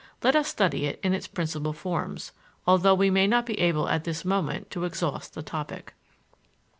Let us study it in its principal forms, although we may not be able at this moment to exhaust the topic.